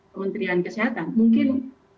kementerian kesehatan mungkin